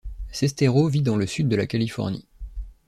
Sestero vit dans le Sud de la Californie.